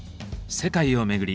世界を巡り